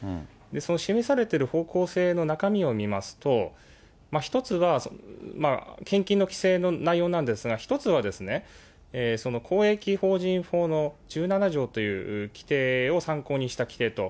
その示されてる方向性の中身を見ますと、一つは献金の規制の内容なんですが、一つは、公益法人法の１７条という規定を参考にした規定と。